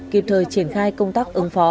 kịp thời triển khai công tác ứng phó